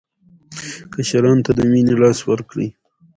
کشرانو ته د مینې لاس ورکړئ.